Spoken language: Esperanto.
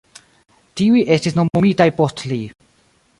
Tiuj estis nomumitaj post li.